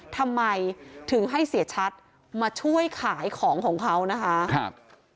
ทำไมถึงให้เสียชัดมาช่วยขายของของเขานะคะครับ